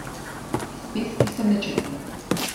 Spis jsem nečetl.